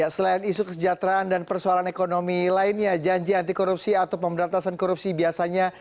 selain isu kesejahteraan dan persoalan ekonomi lainnya janji anti korupsi atau pemberantasan korupsi biasanya